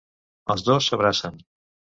Els dos s'abracen.